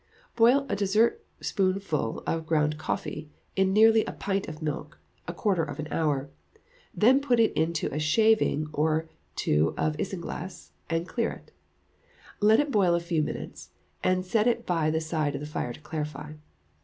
Boil a dessertspoonful of ground coffee, in nearly a pint of milk, a quarter of an hour, then put into it a shaving or two of isinglass, and clear it; let it boil a few minutes, and set it by the side of the fire to clarify.